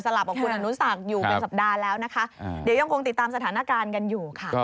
กับคุณอนุสักอยู่เป็นสัปดาห์แล้วนะคะเดี๋ยวยังคงติดตามสถานการณ์กันอยู่ค่ะ